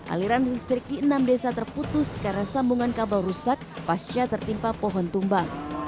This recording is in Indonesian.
aliran listrik di enam desa terputus karena sambungan kabel rusak pasca tertimpa pohon tumbang